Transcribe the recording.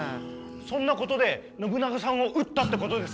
そんなことで信長さんを討ったってことですか？